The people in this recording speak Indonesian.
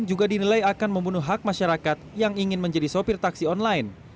juga dinilai akan membunuh hak masyarakat yang ingin menjadi sopir taksi online